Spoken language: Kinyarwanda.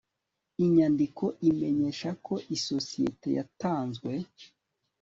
inyandiko imenyesha ko isosiyete yatanzwe